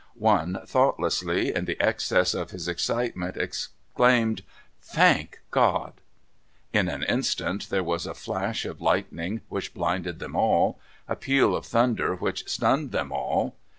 One thoughtlessly, in the excess of his excitement, exclaimed, "Thank God!" In an instant there was a flash of lightning which blinded them all; a peal of thunder which stunned them all.